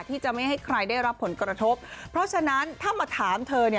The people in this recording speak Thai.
ที่จะไม่ให้ใครได้รับผลกระทบเพราะฉะนั้นถ้ามาถามเธอเนี่ย